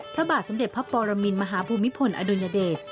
พระบาทสมเด็จพระปรมินมหาภูมิพลอดุลยเดช